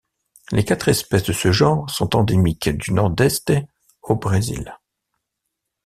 Les quatre espèces de ce genre sont endémiques du Nordeste au Brésil.